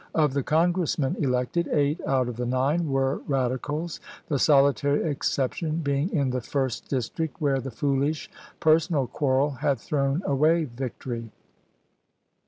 Of the Congi'essmen elected, eight out of the nine were Radicals, the solitary exception being in the first dis trict, where the foolish personal quarrel had thrown away victory.